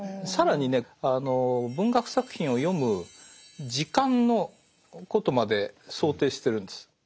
更にね文学作品を読む時間のことまで想定してるんです。